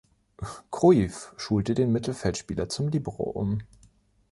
Cruyff schulte den Mittelfeldspieler zum Libero um.